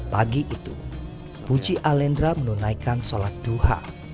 pagi itu puji allendra menunaikan sholat duha